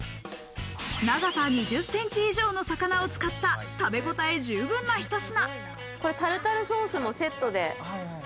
長さ２０ｃｍ以上の魚を使った、食べごたえ十分なひと品。